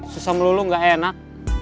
susah melulu enggak enak